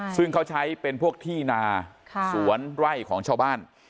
ซึ่งเขาใช้เป็นพวกที่นาสวนไร่ของชาวบ้าน